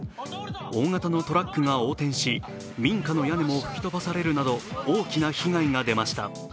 大型のトラックが横転し、民家の屋根も吹き飛ばされるなど大きな被害が出ました。